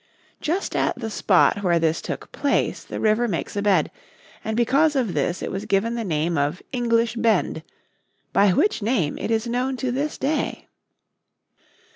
Just at the spot where this took place the river makes a bed, and because of this it was given the name of English Bend, by which name it is known to this day.